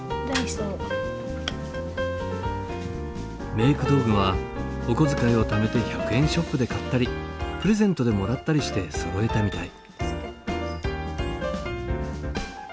メーク道具はお小遣いをためて１００円ショップで買ったりプレゼントでもらったりしてそろえたみたい。